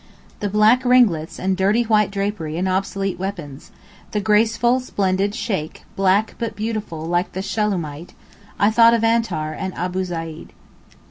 The black ringlets and dirty white drapery and obsolete weapons—the graceful splendid Sheykh 'black but beautiful' like the Shulamite—I thought of Antar and Abou Zeyd.